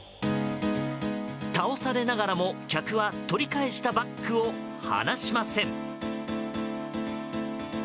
倒されながらも客は取り返したバッグを離しません。